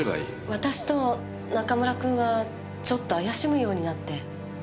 私と中村君はちょっと怪しむようになって。